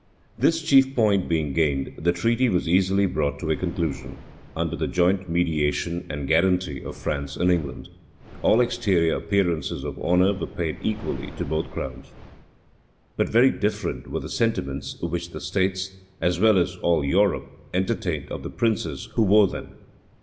This chief point being gained, the treaty was easily brought to a conclusion, under the joint mediation and guaranty of France and England. All exterior appearances of honor were paid equally to both crowns: but very different were the sentiments which the states, as well as all Europe, entertained of the princes who wore them.